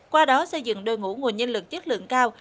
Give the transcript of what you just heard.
qua đó xây dựng đội ngũ nguồn nhân lực chất lượng cao